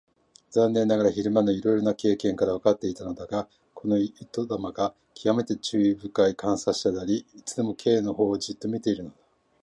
残念ながら昼間のいろいろな経験からわかっていたのだが、この糸玉がきわめて注意深い観察者であり、いつでも Ｋ のほうをじっと見ているのだ。